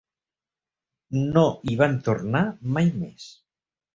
No hi van tornar mai més.